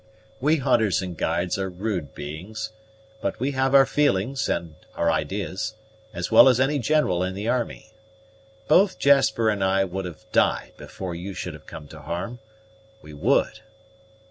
We hunters and guides are rude beings; but we have our feelings and our idees, as well as any general in the army. Both Jasper and I would have died before you should have come to harm we would."